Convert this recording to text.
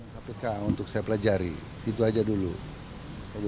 jadi belum ada surprise nya